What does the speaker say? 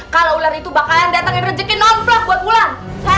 kalau ular itu bakalan datangin rejeki non plog buat ulan